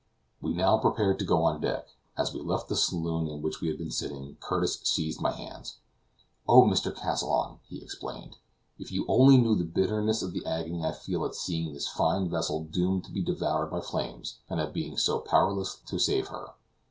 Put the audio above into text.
We now prepared to go on deck. As we left the saloon, in which we had been sitting, Curtis seized my hand. "Oh, Mr. Kazallon," he exclaimed, "if you only knew the bitterness of the agony I feel at seeing this fine vessel doomed to be devoured by flames, and at being so powerless to save her."